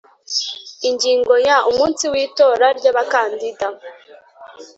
Ingingo ya Umunsi w itora ry Abakandida